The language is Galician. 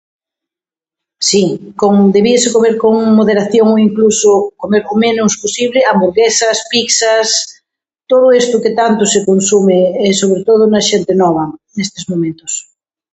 Si, con debíase comer con moderación incluso comer o menos posible hamburguesas, pizzas, todo esto que tanto se consume e, sobre todo, na xente nova, nestes momentos.